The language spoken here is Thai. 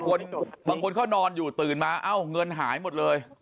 บางคนเขานอนอยู่ตื่นมาเอ้าเงินหายหมดเลย